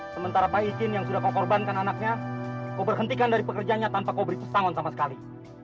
sementara pak izin yang sudah kau korbankan anaknya kau berhentikan dari pekerjanya tanpa kau beri pesangon sama sekali